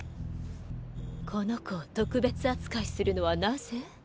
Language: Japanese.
この子を特別扱いするのはなぜ？